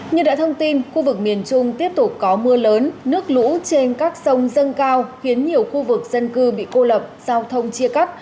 như đã thông tin khu vực miền trung tiếp tục có mưa lớn nước lũ trên các sông dâng cao khiến nhiều khu vực dân cư bị cô lập giao thông chia cắt